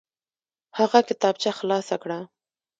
هغه کتابچه خلاصه کړه.